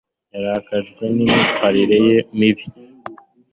Yarakajwe n'imyitwarire ye mibi.